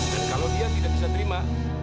dan kalau dia tidak bisa terima